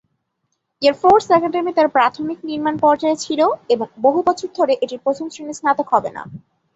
Air force academy তার প্রাথমিক নির্মাণ পর্যায়ে ছিল, এবং বহু বছর ধরে এটির প্রথম শ্রেণীর স্নাতক হবে না।